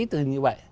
từ như vậy